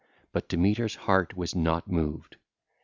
But Demeter's heart was not moved.